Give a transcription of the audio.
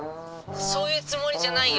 そういうつもりじゃないよ。